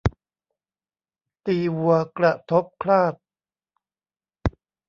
ตีวัวกระทบคราด